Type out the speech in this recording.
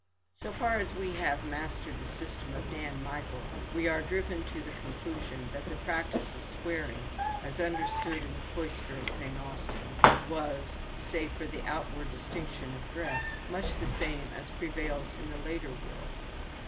So far as we have mastered the system of Dan Michael we are driven to the conclusion that the practice of swearing, as understood in the Cloister of Saint Austin, was, save for the outward distinction of dress, much the same as prevails in the later world.